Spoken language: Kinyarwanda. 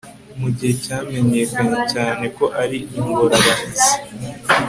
mugihe cyamenyekanye cyane ko ari ingorabahizi